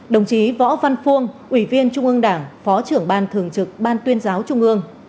đồng chí võ văn phuông ủy viên trung ương đảng phó trưởng ban thường trực ban tuyên giáo trung ương